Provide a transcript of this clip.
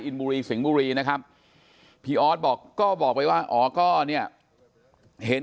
บุรีสิงห์บุรีนะครับพี่ออสบอกก็บอกไปว่าอ๋อก็เนี่ยเห็น